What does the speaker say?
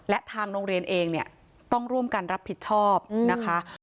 และทางโรงเรียนเองเนี่ยต้องร่วมกันรับผิดชอบนะคะ